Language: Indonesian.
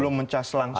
belum mencas langsung